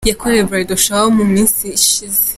Yakorewe Bridal Shower mu minsi ishize.